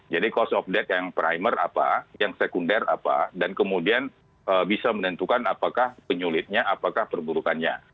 jadi cost of death yang primer apa yang sekunder apa dan kemudian bisa menentukan apakah penyulitnya apakah perburukannya